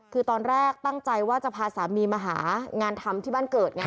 คือตอนแรกตั้งใจว่าจะพาสามีมาหางานทำที่บ้านเกิดไง